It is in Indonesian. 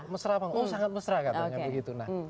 mesra apa oh sangat mesra katanya begitu